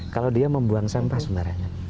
kalau dia membuang sampah sembarangan